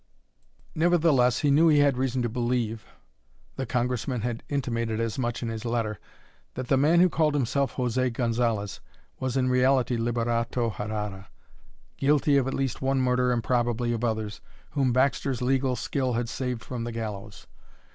Nevertheless, he knew he had reason to believe the Congressman had intimated as much in his letter that the man who called himself José Gonzalez was in reality Liberato Herrara, guilty of at least one murder and probably of others, whom Baxter's legal skill had saved from the gallows.